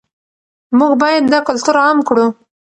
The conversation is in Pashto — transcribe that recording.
موږ باید دا کلتور عام کړو.